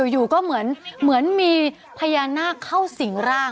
อยู่ก็เหมือนมีพญานาคเข้าสิ่งร่าง